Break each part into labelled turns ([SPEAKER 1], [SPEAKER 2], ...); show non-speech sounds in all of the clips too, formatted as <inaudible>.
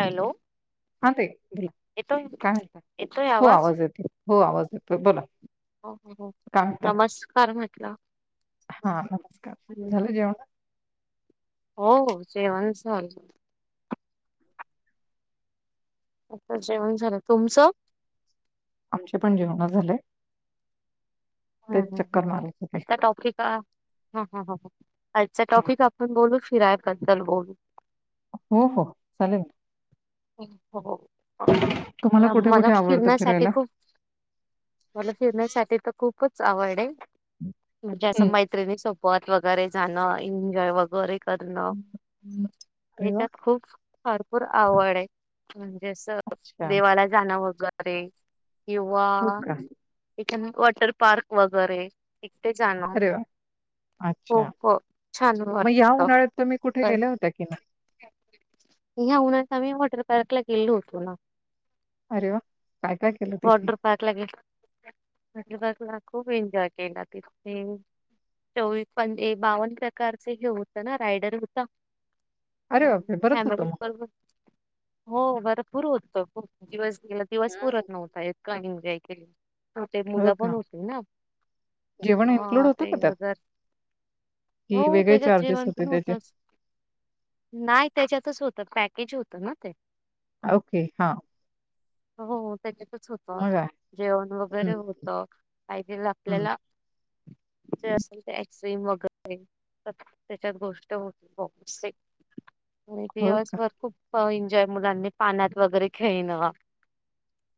[SPEAKER 1] Hello.
[SPEAKER 2] हां ताई बोला
[SPEAKER 1] येतोय
[SPEAKER 2] काय म्हणताय? हो आवाज येतो हो आवाज येतोय बोला.
[SPEAKER 1] हो हो हो,
[SPEAKER 2] काय म्हणता?
[SPEAKER 1] नमस्कार म्हटलं.
[SPEAKER 2] हां नमस्कार
[SPEAKER 1] हम्म.
[SPEAKER 2] झाल जेवण?
[SPEAKER 1] हो हो जेवणच चालू आतच जेवण झालं, तुमच?
[SPEAKER 2] आमचे पण जेवन झालेय.
[SPEAKER 1] हम्म हम् हम,
[SPEAKER 2] मारत होते.
[SPEAKER 1] आजचा टॉपिक हं हं हं, आजचा
[SPEAKER 2] हं.
[SPEAKER 1] टॉपिक आपण बोलू फिराय बद्दल बोलू.
[SPEAKER 2] हो हो चालेल ना.
[SPEAKER 1] हो
[SPEAKER 2] तुम्हाला कुठे
[SPEAKER 1] मला
[SPEAKER 2] कुठे आवडतं
[SPEAKER 1] फिरण्यासाठी
[SPEAKER 2] फिरायला?
[SPEAKER 1] खूप मला फिरण्यासाठी त खूपंच आवड ये म्हणजे असं
[SPEAKER 2] हं.
[SPEAKER 1] मैत्रिणी सोबत बत वगैरे जाणं, एन्जॉंय वगैरे करण,
[SPEAKER 2] अरे वाह!
[SPEAKER 1] हेच्यात खूप भरपूर आवड ये. म्हणजे अस
[SPEAKER 2] अच्छा.
[SPEAKER 1] देवाला जाणं वगैरे किंवा
[SPEAKER 2] हो का?
[SPEAKER 1] इ वॉटर पार्क वगैरे इथे जाणं
[SPEAKER 2] अरे वाह! अच्छा.
[SPEAKER 1] खूप छान
[SPEAKER 2] मग या
[SPEAKER 1] वाटत.
[SPEAKER 2] उन्हाळ्यात तुम्ही कुठे गेल्या होत्या की नाही?
[SPEAKER 1] ह्या उन्हात आम्ही वॉटर पार्क ला गेलो होतो ना.
[SPEAKER 2] अरे वा! काय काय केलं तिथे?
[SPEAKER 1] वॉटर पार्क ला गेलो. वॉटर पार्क ला खूप एन्जॉय केला तिथे. चोवीस पन बावन्न प्रकारचे हे होतं ना, रायडर होता.
[SPEAKER 2] अरे बापरे! बरंच होतं
[SPEAKER 1] फॅमली
[SPEAKER 2] मग.
[SPEAKER 1] बरोबर. हो भरपूर होतं, खूप दिवस गेला दिवस
[SPEAKER 2] हं.
[SPEAKER 1] पुरत नव्हता इतकं आम्ही एन्जॉय केली त ते
[SPEAKER 2] हो
[SPEAKER 1] मुलं पण
[SPEAKER 2] का?
[SPEAKER 1] होतील ना.
[SPEAKER 2] जेवण इन्क्लूड
[SPEAKER 1] हा
[SPEAKER 2] होतं
[SPEAKER 1] ते
[SPEAKER 2] का त्यात?
[SPEAKER 1] तर
[SPEAKER 2] की
[SPEAKER 1] हो
[SPEAKER 2] वेगळे
[SPEAKER 1] त्याच्यात
[SPEAKER 2] चार्जेस
[SPEAKER 1] जेवण
[SPEAKER 2] होते
[SPEAKER 1] पण
[SPEAKER 2] त्याचे?
[SPEAKER 1] होतंच. नाही त्याच्यातच होत. पॅकेज होत ना ते.
[SPEAKER 2] ओके. हा.
[SPEAKER 1] हो त्याच्यातच होतं.
[SPEAKER 2] मग काय?
[SPEAKER 1] जेवण
[SPEAKER 2] हं,
[SPEAKER 1] वगैरे होतं. काय ते
[SPEAKER 2] हं.
[SPEAKER 1] लाटलेल्या ते असेल ते आईस्क्रीम वगैरे. त्याच्यात गोष्ट होती <unintelligible>
[SPEAKER 2] हो का?
[SPEAKER 1] दिवसभर खूप एन्जॉय. मुलांनी पाण्यात वगैरे खेळणं.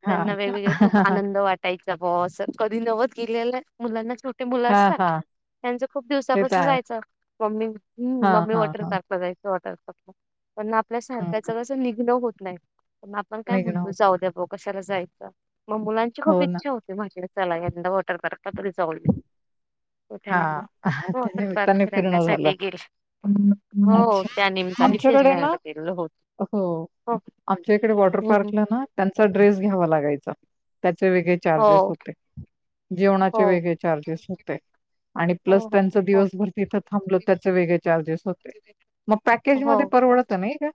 [SPEAKER 1] त्यांना
[SPEAKER 2] हां का?
[SPEAKER 1] वेगवेगळे खूप आनंद वाटायचा ब असं. कधी नवत केलेलं मुलांना छोटे मुलं
[SPEAKER 2] हां,
[SPEAKER 1] असतात.
[SPEAKER 2] हां.
[SPEAKER 1] त्यांचं खूप
[SPEAKER 2] ते तर
[SPEAKER 1] दिवसापासून
[SPEAKER 2] आहे.
[SPEAKER 1] जायचं. मम्मी, हम्म,
[SPEAKER 2] हां,
[SPEAKER 1] मम्मी
[SPEAKER 2] हां,
[SPEAKER 1] वॉटर
[SPEAKER 2] हां.
[SPEAKER 1] पार्कला जायचं. वॉटरपार्क ला, पण आपल्या
[SPEAKER 2] हं,
[SPEAKER 1] सारख्याचं
[SPEAKER 2] हं.
[SPEAKER 1] कसं निघणं होत नाही, पण आपण काय
[SPEAKER 2] निघणं
[SPEAKER 1] म्हणतो
[SPEAKER 2] होत
[SPEAKER 1] जाऊ
[SPEAKER 2] नाही.
[SPEAKER 1] द्या भाऊ कशाला जायचं. मग मुलांची खूप
[SPEAKER 2] हो ना.
[SPEAKER 1] इच्छा होती माझ्या, चला यंदा वॉटर पार्कला तरी जाऊया. कुठे नाही हो.
[SPEAKER 2] हां.
[SPEAKER 1] वॉटरपार्क
[SPEAKER 2] त्यानिमित्ताने फिरणं झालं.
[SPEAKER 1] फिरण्यासाठी गेले. हो.
[SPEAKER 2] अच्छा.
[SPEAKER 1] त्यानिमित्ताने
[SPEAKER 2] आमच्याकडे ना
[SPEAKER 1] फिरण्यासाठी गेलो हो
[SPEAKER 2] हो. आमच्या इकडे वॉटर
[SPEAKER 1] हम्म, हम्म.
[SPEAKER 2] पार्कला ना त्यांचा ड्रेस घ्यावा लागायचा. त्याचे वेगळे
[SPEAKER 1] हो
[SPEAKER 2] चार्जेस होते.
[SPEAKER 1] हो
[SPEAKER 2] जेवणाचे वेगळे चार्जेस होते आणि प्लस
[SPEAKER 1] हो हो हो
[SPEAKER 2] त्यांच
[SPEAKER 1] हो
[SPEAKER 2] दिवसभर तिथं थांबलो त्याचे वेगळे चार्जेस हो मग पॅकेज
[SPEAKER 1] हो
[SPEAKER 2] मध्ये
[SPEAKER 1] का?
[SPEAKER 2] परवडतं नाही का?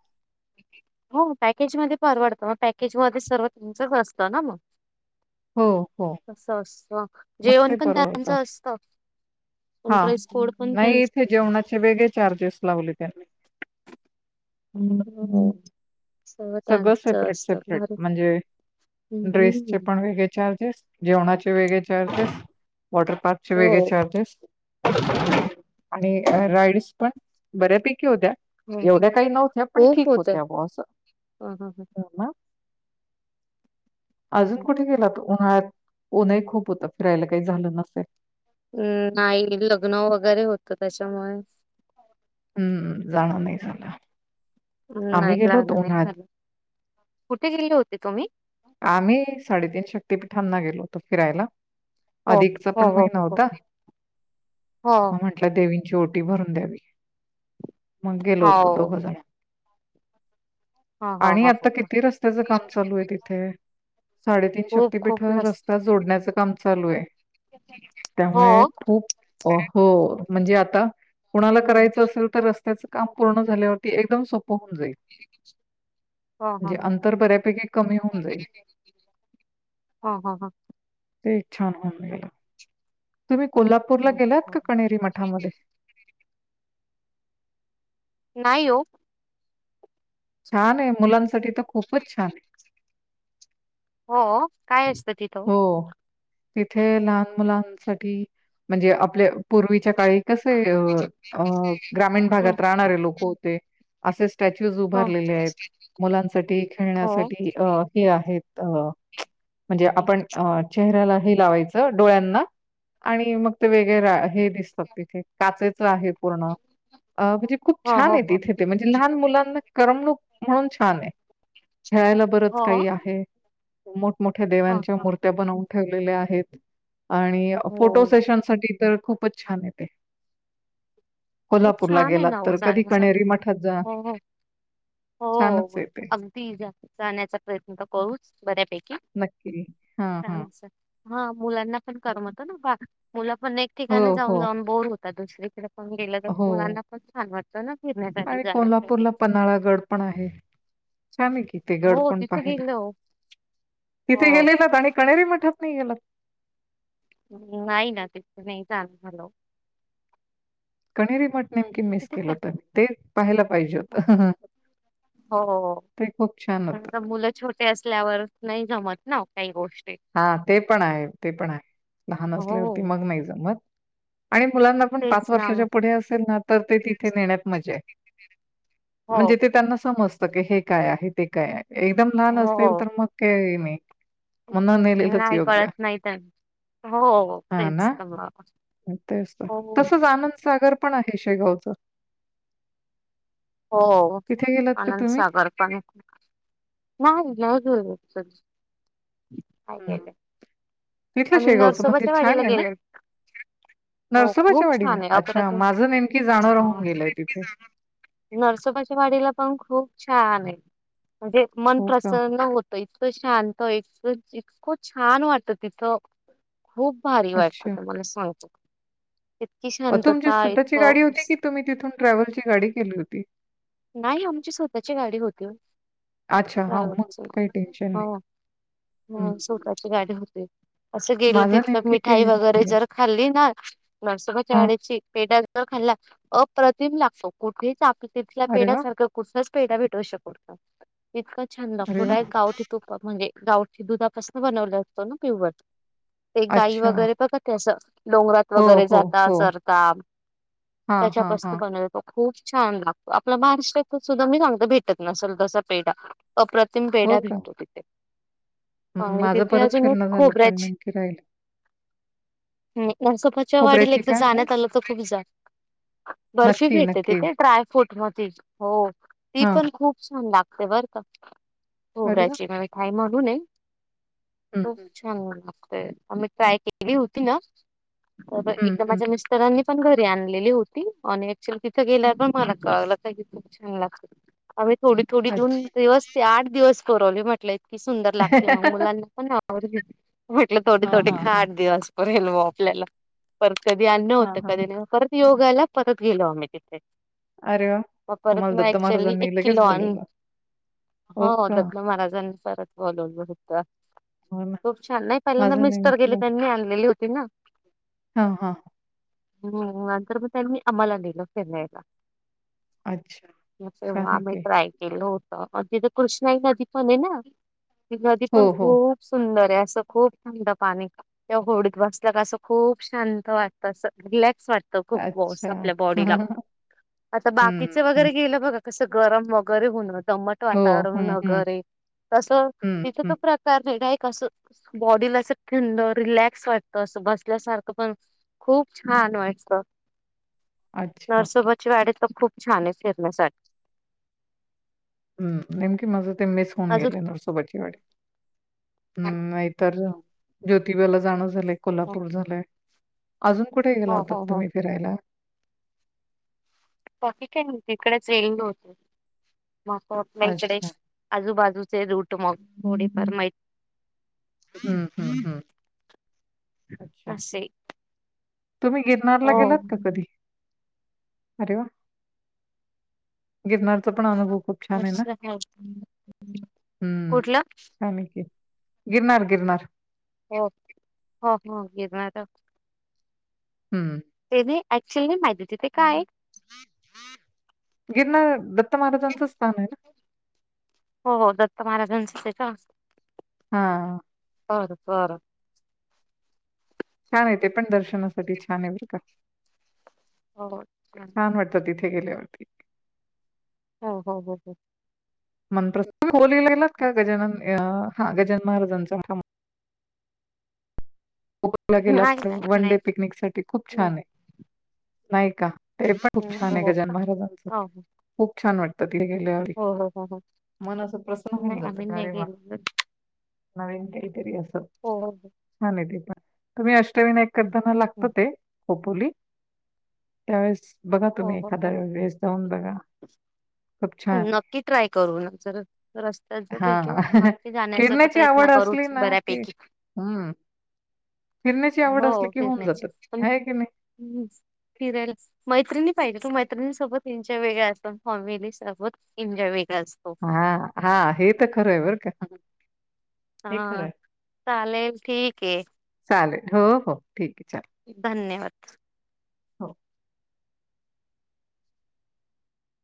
[SPEAKER 1] हो पॅकेज मध्ये परवडतं. मग पॅकेज मध्ये सर्व तुमचंच असतं ना मग?
[SPEAKER 2] हो, हो.
[SPEAKER 1] अस असं.
[SPEAKER 2] मग
[SPEAKER 1] जेवण
[SPEAKER 2] ते
[SPEAKER 1] पण त्यांचं
[SPEAKER 2] परवडतं.
[SPEAKER 1] असतं. ड्रेस कोड पण त्यांचा
[SPEAKER 2] त्याचे वेगळे चार्जेस लावले त्यांनी.
[SPEAKER 1] हम्म हम्म.
[SPEAKER 2] सगळं सेपरेट सेपरेट.
[SPEAKER 1] भारी
[SPEAKER 2] म्हणजे ड्रेस चे
[SPEAKER 1] हम्म
[SPEAKER 2] पण वेगळे चार्जेस. जेवणाचे वेगळे चार्जेस, वॉटर पार्कचे
[SPEAKER 1] हो.
[SPEAKER 2] वेगळे चार्जेस आणि राइड्स पण, बऱ्यापैकी होत्या.
[SPEAKER 1] हो
[SPEAKER 2] एवढ्या काही नव्हत्या, पण ठीक होत्या ब असं.
[SPEAKER 1] हं हं हं. हो
[SPEAKER 2] अजून
[SPEAKER 1] हो.
[SPEAKER 2] कुठे गेला तो उन्हाळ्यात? ऊन ही खूप होतं. फिरायला काही झालं नसेल.
[SPEAKER 1] हम्म, नाही लग्न वगैरे होतं त्याच्यामुळे.
[SPEAKER 2] हम्म. जाणं नाही झालं. आम्ही
[SPEAKER 1] नाही
[SPEAKER 2] गेलो होतो
[SPEAKER 1] जाणं नाही
[SPEAKER 2] उन्हाळ्यात.
[SPEAKER 1] झालं. कुठे गेले होते तुम्ही?
[SPEAKER 2] आम्ही, साडेतीन शक्तीपीठांना गेलो होतो फिरायला.
[SPEAKER 1] हो
[SPEAKER 2] अधिकचा
[SPEAKER 1] हो
[SPEAKER 2] पण
[SPEAKER 1] हो
[SPEAKER 2] महिना
[SPEAKER 1] हो हो
[SPEAKER 2] होता.
[SPEAKER 1] हो
[SPEAKER 2] म म्हण आपल्या देवींची ओटी भरून द्यावी. मग गेलो होतो
[SPEAKER 1] हो
[SPEAKER 2] दोघं जणं.
[SPEAKER 1] हो
[SPEAKER 2] आणि
[SPEAKER 1] हो हो
[SPEAKER 2] आता
[SPEAKER 1] हो
[SPEAKER 2] किती रस्त्याचं काम चालू आहे तिथ ते साडेतीन
[SPEAKER 1] खूप खूप
[SPEAKER 2] शक्तीपीठं
[SPEAKER 1] लस
[SPEAKER 2] रस्ता जोडण्याचं काम चालू आहे. त्यामुळे
[SPEAKER 1] हो.
[SPEAKER 2] खूप हो म्हणजे आता कुणाला
[SPEAKER 1] हम्म
[SPEAKER 2] करायचं असेल, तर रस्त्याचं काम पूर्ण झाल्यावरती एकदम सोपं होऊन जाईल.
[SPEAKER 1] हा हा
[SPEAKER 2] जे
[SPEAKER 1] हा.
[SPEAKER 2] अंतर बऱ्यापैकी कमी होऊ
[SPEAKER 1] हा हा हा.
[SPEAKER 2] ते एक छान होऊन गेलं. तुम्ही कोल्हापूरला
[SPEAKER 1] हो
[SPEAKER 2] गेलात
[SPEAKER 1] हो.
[SPEAKER 2] का कणेरी मठामध्ये?
[SPEAKER 1] नाही ओ.
[SPEAKER 2] छान आहे. मुलांसाठी तर खूपचं छान आहे.
[SPEAKER 1] हा अं.
[SPEAKER 2] हो, तिथे लहान मुलांसाठी म्हणजे आपले पूर्वीच्या काळी कसे अं अं ग्रामीण
[SPEAKER 1] हं,
[SPEAKER 2] भागात राहणारे लोकं होते. असे स्टॅच्यूज
[SPEAKER 1] हो
[SPEAKER 2] उभारलेले आहेत. मुलांसाठी,
[SPEAKER 1] हो.
[SPEAKER 2] खेळण्यासाठी, अं हे आहेत अं म्हणजे
[SPEAKER 1] हो
[SPEAKER 2] आपण अं चेहऱ्याला हे लावायचं डोळ्यांना आणि मग ते वेगळे हे दिसतात. तिथे काचेचं आहे पूर्ण. म्हणजे खूप छान
[SPEAKER 1] हो हो.
[SPEAKER 2] आहे तिथे ते म्हणजे लहान मुलांना करमणूक म्हणून छान आहे. खेळायला बरंच
[SPEAKER 1] हो
[SPEAKER 2] काही आहे. मोठमोठ्या
[SPEAKER 1] हा
[SPEAKER 2] देव्यांच्या
[SPEAKER 1] हा
[SPEAKER 2] मूर्त्या बनवून ठेवलेल्या आहेत. आणि फोटो
[SPEAKER 1] हो
[SPEAKER 2] सेशनसाठी तर खूपचं छान आहे ते.
[SPEAKER 1] मग
[SPEAKER 2] कोल्हापूरला
[SPEAKER 1] छान आहे
[SPEAKER 2] गेलात
[SPEAKER 1] ना हो
[SPEAKER 2] तर कधी
[SPEAKER 1] जाण्यासाठी.
[SPEAKER 2] कणेरी
[SPEAKER 1] हो
[SPEAKER 2] मठात जा.
[SPEAKER 1] हो हो
[SPEAKER 2] छानंचे ते.
[SPEAKER 1] अगदी जा जाण्याचा प्रयत्न करूच बऱ्यापैकी.
[SPEAKER 2] नक्की, हा
[SPEAKER 1] छान
[SPEAKER 2] हा.
[SPEAKER 1] असं. हा मुलांना पण करमतं ना बा. मुलं पण एक
[SPEAKER 2] हो,
[SPEAKER 1] ठिकाणी
[SPEAKER 2] हो.
[SPEAKER 1] जाऊन जाऊन बोर हो ता. दुसरीकडं पण गेलं तर
[SPEAKER 2] हो
[SPEAKER 1] मुलांना पण छान वाटतं ना फिरण्यात.
[SPEAKER 2] आणि कोल्हापूरला पन्हाळा गड पण आहे, छान आहे की ते गड
[SPEAKER 1] हो
[SPEAKER 2] पण
[SPEAKER 1] तिथे
[SPEAKER 2] पाहिलं,
[SPEAKER 1] गेलो
[SPEAKER 2] तिथे
[SPEAKER 1] हो.
[SPEAKER 2] गेलेलात आणि कणेरी मठात नाही गेलात.
[SPEAKER 1] नाही ना तिथं नाही जाणं झालं.
[SPEAKER 2] कणेरी मठ नेमकी मिस
[SPEAKER 1] तिथे
[SPEAKER 2] केलं
[SPEAKER 1] काय.
[SPEAKER 2] तुम्ही. ते पाहायला पाहिजे होत.
[SPEAKER 1] हो हो.
[SPEAKER 2] ते खूप छान होत.
[SPEAKER 1] कारणं का मुलं छो टे असल्यावर नाही जमत ना काही गोष्टी.
[SPEAKER 2] हा ते पण आहे ते पण आहे. लहान असल्यावरती
[SPEAKER 1] हो.
[SPEAKER 2] मग नाही जमत आणि मुलांना पण पाच
[SPEAKER 1] तेच ना
[SPEAKER 2] वर्षाच्या पुढे असेल ना, तर ते तिथे नेण्यात मजा आहे.
[SPEAKER 1] हो,
[SPEAKER 2] म्हणजे ते त्यांना समजतं की, हे काय आहे? ते काय आहे? एकदम लहान असतील,
[SPEAKER 1] हो.
[SPEAKER 2] तर मग काय नाही. मग न नेलेलच
[SPEAKER 1] नाही
[SPEAKER 2] योग्य.
[SPEAKER 1] कळत नाही त्यांना हो
[SPEAKER 2] हा
[SPEAKER 1] तेच
[SPEAKER 2] ना,
[SPEAKER 1] तर मग.
[SPEAKER 2] तेच तर.
[SPEAKER 1] हो,
[SPEAKER 2] तसंच आनंदसागर पण आहे शेगावचं.
[SPEAKER 1] हो
[SPEAKER 2] तिथे गेलात का तुम्ही?
[SPEAKER 1] आनंदसागर पण नाही <unintelligible> काय
[SPEAKER 2] हं.
[SPEAKER 1] केले.
[SPEAKER 2] तिथलं
[SPEAKER 1] आम्ही
[SPEAKER 2] शेगावचं मंदिर
[SPEAKER 1] नरसोबाच्या वाडीला
[SPEAKER 2] छान आहे ना?
[SPEAKER 1] गेलेलो. हो खूप
[SPEAKER 2] नरसोबाच्या वाडीला?
[SPEAKER 1] छान आहे,
[SPEAKER 2] अच्छा,
[SPEAKER 1] आठवड्यातून
[SPEAKER 2] माझं नेमकी जाणं राहून गेलंय तिथे.
[SPEAKER 1] नरसोबाच्या वाडीला पण खूप छान आहे, म्हणजे मन
[SPEAKER 2] हो का?
[SPEAKER 1] प्रसन्न हो त, इतकं शांत इत इतकं छानं वाटत तिथं. खूप भारी वाटतं
[SPEAKER 2] अच्छा.
[SPEAKER 1] तुम्हाला सांगतो इतकी
[SPEAKER 2] व तुमची
[SPEAKER 1] शांतता
[SPEAKER 2] स्वतःची
[SPEAKER 1] इतकं
[SPEAKER 2] गाडी होती की? तुम्ही तिथून ट्रॅव्हलची गाडी केली होती?
[SPEAKER 1] नायी आमची स्वतःची गाडी होतीओं.
[SPEAKER 2] अच्छा, हां, मग
[SPEAKER 1] ट्रॅव्हलची
[SPEAKER 2] काही टेन्शन नाही.
[SPEAKER 1] हो,
[SPEAKER 2] हं,
[SPEAKER 1] नायी
[SPEAKER 2] हं.
[SPEAKER 1] स्वतःची गाडी होते. असं गेलं
[SPEAKER 2] माझं
[SPEAKER 1] तिथलं
[SPEAKER 2] नेमकी ते
[SPEAKER 1] मिठाई
[SPEAKER 2] राहून
[SPEAKER 1] वगैरे
[SPEAKER 2] गेलं.
[SPEAKER 1] जर खाल्ली ना!
[SPEAKER 2] हां,
[SPEAKER 1] नरसोबांच्यावाडीची पेढा जर खाल्ला अप्रतिम लागतो कुठेच आप तिथल्या
[SPEAKER 2] अरे वाह!
[SPEAKER 1] पेढ्यासारख कुचलाच पेढ्या भेटू शकत नाय इतकां छान लागतो
[SPEAKER 2] अरे वाह!
[SPEAKER 1] डायरेक्ट गावठी तूपा म्हणजे गावठी दुधापासन बनवला असतो ना पिवर ते गाई
[SPEAKER 2] अच्छा.
[SPEAKER 1] वगैरे बघा ते असं डोंगरात
[SPEAKER 2] हो,
[SPEAKER 1] वगैरे
[SPEAKER 2] हो,
[SPEAKER 1] जाता
[SPEAKER 2] हो.
[SPEAKER 1] चरता
[SPEAKER 2] हां, हां,
[SPEAKER 1] त्याच्यापासन
[SPEAKER 2] हां.
[SPEAKER 1] बनव तो खूप छान लागतो, आपला महाराष्ट्रात सुद्धा मी सांगतोय भेटत नसल तसा पेढा. अप्रतिम
[SPEAKER 2] हो
[SPEAKER 1] पेढा
[SPEAKER 2] का?
[SPEAKER 1] भेटतो ति
[SPEAKER 2] माझं परत
[SPEAKER 1] अजून एक
[SPEAKER 2] फिरण झालं पण
[SPEAKER 1] खोबऱ्याची
[SPEAKER 2] नेमकी राहिल
[SPEAKER 1] नयी नरसोबाच्या वाडीला
[SPEAKER 2] खोबऱ्याची
[SPEAKER 1] एकदा
[SPEAKER 2] काय म्हणताय?
[SPEAKER 1] जाण्यात आलं तर तू जा बर्फी
[SPEAKER 2] नक्की,
[SPEAKER 1] भेटते
[SPEAKER 2] नक्की.
[SPEAKER 1] तिथे ड्रायफ्रूट मध्यीच हों ती
[SPEAKER 2] हां,
[SPEAKER 1] पण खूप छान लागते बरं का!
[SPEAKER 2] अरे वाह!
[SPEAKER 1] खोबऱ्याची काय म्हणू नये
[SPEAKER 2] हं,
[SPEAKER 1] खूप
[SPEAKER 2] हं.
[SPEAKER 1] छान लागते आम्ही ट्राय केली हो ती ना अंह
[SPEAKER 2] हं,
[SPEAKER 1] एकदा
[SPEAKER 2] हं.
[SPEAKER 1] माझ्या मिस्टरांनी पण घरी आणलेली होती आणि ॲकच्युली तिथं गेल्यावर मला कळलं का खूप छान लागते आम्ही थोडी, थोडी
[SPEAKER 2] अच्छा.
[SPEAKER 1] देऊन दिवस ते आठ दिवस पुरवली म्हटलं इतकी सुंदर लागते मग मुलांना पण आवडली म्हटलं थोडे
[SPEAKER 2] हां,
[SPEAKER 1] थोडे
[SPEAKER 2] हां,
[SPEAKER 1] खा
[SPEAKER 2] हां.
[SPEAKER 1] आठ दिवसपर्यंत पुरेल आपल्याला परत कधी आणन
[SPEAKER 2] हां,
[SPEAKER 1] होतं
[SPEAKER 2] हां.
[SPEAKER 1] कधी नाही होत परत योगला परत गेलो आम्ही तिथे.
[SPEAKER 2] अरे वाह!
[SPEAKER 1] परत
[SPEAKER 2] तुम्हाला
[SPEAKER 1] म
[SPEAKER 2] दत्त
[SPEAKER 1] ऍक्चुली
[SPEAKER 2] महाराजांनी
[SPEAKER 1] एक
[SPEAKER 2] लगेच
[SPEAKER 1] किलो आण
[SPEAKER 2] बोलावलं. हो
[SPEAKER 1] हों
[SPEAKER 2] का?
[SPEAKER 1] दत्त महाराजांनी परत बोलवलं होत.
[SPEAKER 2] हो ना.
[SPEAKER 1] खूप छान नायी पहिल्यांदा
[SPEAKER 2] माझं
[SPEAKER 1] मिस्टर
[SPEAKER 2] नेमकी
[SPEAKER 1] गेले
[SPEAKER 2] राहिलं.
[SPEAKER 1] त्यांनी आणलेली होती नां.
[SPEAKER 2] हां हां.
[SPEAKER 1] हुं नंतर म त्यांनी आम्हाला न्हेल फिराण्याला.
[SPEAKER 2] अच्छा.
[SPEAKER 1] मग
[SPEAKER 2] छान
[SPEAKER 1] तेव्हा
[SPEAKER 2] आहे
[SPEAKER 1] आम्ही
[SPEAKER 2] की.
[SPEAKER 1] ट्राय केलो तवा पण तिथं कृष्णाई नदी पण आहे ना ती नदी पण
[SPEAKER 2] हो, हो.
[SPEAKER 1] खूप सुंदरयं असं खूप थंड पाणी त्या होडीत बसल्या का असं खूप शांत वाटतं अस रिलॅक्स वाट त खूप वॉस
[SPEAKER 2] अच्छा
[SPEAKER 1] आपल्या बॉडीला
[SPEAKER 2] हम्म
[SPEAKER 1] आता बाकीच
[SPEAKER 2] हम्म.
[SPEAKER 1] वगैरे गेलं बघा. तसं गरम वगैरे होण दमट
[SPEAKER 2] हो
[SPEAKER 1] वातावरण
[SPEAKER 2] हम्म हम्म
[SPEAKER 1] वगैरे तसं
[SPEAKER 2] हम्म
[SPEAKER 1] तिथ तर
[SPEAKER 2] हम्म.
[SPEAKER 1] प्रते <inaudible> एक असं बॉडीला असं थंड रिलॅक्स वाटतं असं बसल्यासारखं पण खूप छान वाटतं
[SPEAKER 2] अच्छा
[SPEAKER 1] नरसोबची वाडी तर खूप छानयं फिरण्यासाठी.
[SPEAKER 2] हुं नेमकीे माझं ते मिस होऊन
[SPEAKER 1] अजून
[SPEAKER 2] गेलेयं नसोबतची वाडी हुं नाहीतर ज्योतिबाला जाणं झालंय कोल्हापूर झालंय. अजून कुठे गेला
[SPEAKER 1] हो
[SPEAKER 2] होता
[SPEAKER 1] हो हो
[SPEAKER 2] तुम्ही फिरायला?
[SPEAKER 1] बाकी काय म्हणती इकडेच एंड होतय मग आपा आपाल्याकडे
[SPEAKER 2] अच्छा
[SPEAKER 1] हिकडे आजूबाजूचे रूट मग थोडीफार माहि
[SPEAKER 2] हुं हुं हुं अच्छा!
[SPEAKER 1] असे
[SPEAKER 2] तुम्ही गिरनारला
[SPEAKER 1] हो
[SPEAKER 2] गेलात का कधी? अरे वा! गिरणारचा पण अनुभव खूप छानयं नां
[SPEAKER 1] असं आहे.
[SPEAKER 2] हुं.
[SPEAKER 1] कुठलं
[SPEAKER 2] आणि की गिरनार, गिरनार.
[SPEAKER 1] हो हो खूप वेगळं आता
[SPEAKER 2] हम्म. <unintelligible>
[SPEAKER 1] ते नाही ऍक्च्युअली माहिती नाही तिथे काय?
[SPEAKER 2] गिरनार दत्त महाराजांचं स्थान आहे ना.
[SPEAKER 1] हो हो दत्त महाराजांचं ते का?
[SPEAKER 2] हा.
[SPEAKER 1] बर बर
[SPEAKER 2] छान आहे ते पण दर्शनासाठी छान आहे बरं का
[SPEAKER 1] हो हो
[SPEAKER 2] छान वाटत तिथं तिथे गेल्यावरती.
[SPEAKER 1] हो हो हो हो
[SPEAKER 2] मंत्र म्होरं लाहिलेलात का गजानन हा गजनन महाराजांचा हा टूरला गेला
[SPEAKER 1] नाही
[SPEAKER 2] तर
[SPEAKER 1] नाही
[SPEAKER 2] वन
[SPEAKER 1] नाही
[SPEAKER 2] डे पिकनिक साठी खूप
[SPEAKER 1] हम्म,
[SPEAKER 2] छान आहे नाही का ते पण खूप
[SPEAKER 1] हम्म,
[SPEAKER 2] छान आहे
[SPEAKER 1] हो
[SPEAKER 2] गजानन
[SPEAKER 1] का
[SPEAKER 2] महाराजांचा
[SPEAKER 1] हो हो
[SPEAKER 2] खूप छान वाटतं तिथे गेल्यावर
[SPEAKER 1] हो हो हो हो
[SPEAKER 2] मन असं प्रसन्न होऊन
[SPEAKER 1] नाही
[SPEAKER 2] जातं
[SPEAKER 1] आम्ही
[SPEAKER 2] का
[SPEAKER 1] नाही
[SPEAKER 2] अरे वा
[SPEAKER 1] गेलेलो
[SPEAKER 2] नवीन काहीतरी असं
[SPEAKER 1] हो हो हो
[SPEAKER 2] छान आहे ते पण. तुम्ही अष्टविनायक
[SPEAKER 1] हम्म,
[SPEAKER 2] करताना लागतं
[SPEAKER 1] हम्म,
[SPEAKER 2] ते खोपोली त्यावेळेस बघा
[SPEAKER 1] हो
[SPEAKER 2] तुम्ही
[SPEAKER 1] हो
[SPEAKER 2] एखाद्या
[SPEAKER 1] हो
[SPEAKER 2] वेळेस जाऊन बघा खूप छान आहे.
[SPEAKER 1] नक्की ट्राय करू जर रस्त्यात जर भेटलं तर नक्की जाण्याचा तर
[SPEAKER 2] ती
[SPEAKER 1] प्रयत्न
[SPEAKER 2] आवड असली
[SPEAKER 1] करूच
[SPEAKER 2] ना की
[SPEAKER 1] बऱ्यापैकी
[SPEAKER 2] हा
[SPEAKER 1] हो फिरण्याची पण
[SPEAKER 2] आहे की नाही?
[SPEAKER 1] मौज फिरायलाच मैत्रिणी पाहिजेत तो मैत्रिणी सोबत एन्जॉय वेगळा असतो फॉमिली सोबत एन्जॉय वेगळा असतो
[SPEAKER 2] हा हा हे तर खरं आहे बरं का हे खरं
[SPEAKER 1] हा
[SPEAKER 2] आहे.
[SPEAKER 1] चालेल ठीक आहे
[SPEAKER 2] चालेल हो हो ठीक आहे चालेल
[SPEAKER 1] धन्यवाद
[SPEAKER 2] हो.